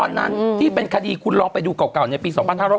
วันนั้นที่เป็นคดีคุณลองไปดูเก่าในปี๒๕๖๐